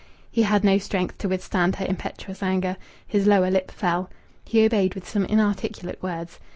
He had no strength to withstand her impetuous anger. His lower lip fell. He obeyed with some inarticulate words.